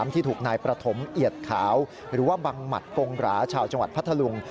ที่ถูกนายประถมเอียดขาวหรือว่าบังหมัดกงหราชาวจังหวัดพัทธลุง